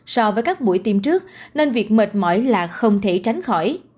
so với các buổi tiêm trước nên việc mệt mỏi là không thể tránh khỏi